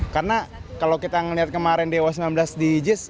karena kalau kita ngeliat kemarin di w sembilan belas di jis